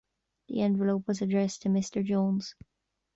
The envelope was addressed to Mr Jones.